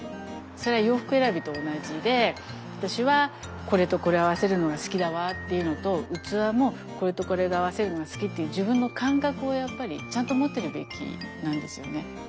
それは洋服選びと同じで私はこれとこれ合わせるのが好きだわっていうのと器もこれとこれで合わせるのが好きっていう自分の感覚をやっぱりちゃんと持ってるべきなんですよね。